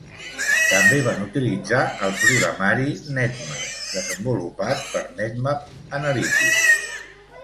També van utilitzar el programari "NetMap" desenvolupat per NetMap Analytics.